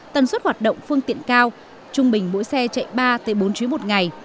tần suất hoạt động phương tiện cao trung bình mỗi xe chạy ba bốn chuyến một ngày